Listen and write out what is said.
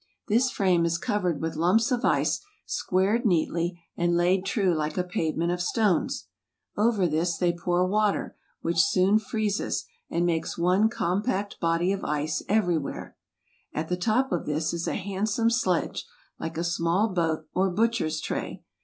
This frame is covered with lumps of ice, squared neatly, and laid true like a pavement of stones. Over this they pour water, which soon freezes, and makes one compact body of ice every where. At the top of this is a handsome sledge, like a small boat, or butcher's tray.